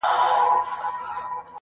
زخمي ـ زخمي سترګي که زما وویني